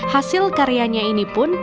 hasil karyanya ini pun